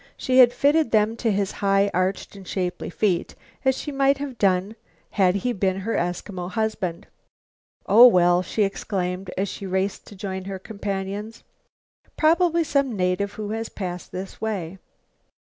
She had fitted them to his high arched and shapely feet, as she might have done had he been her Eskimo husband. "Oh, well," she exclaimed, as she raced to join her companions, "probably some native who has passed this way."